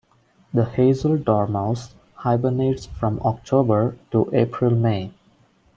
The hazel dormouse hibernates from October to April-May.